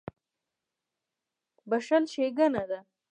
• بښل ښېګڼه ده.